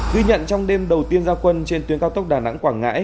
ghi nhận trong đêm đầu tiên gia quân trên tuyến cao tốc đà nẵng quảng ngãi